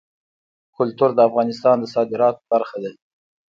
کلتور د افغانستان د صادراتو برخه ده.